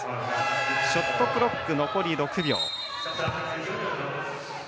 ショットクロック残り６秒。